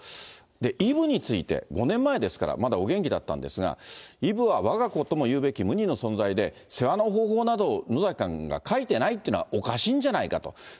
イブについて、５年前ですから、まだお元気だったんですが、イブはわが子ともいうべき無二の存在で、世話の方法などを野崎さんが書いてないっていうのはおかしいんじ